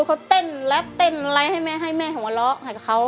เขาเต้นแล้วเต้นอะไรให้แม่ให้แม่หัวเราะกับเขา